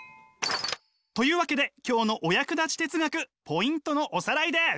というわけで今日のお役立ち哲学ポイントのおさらいです！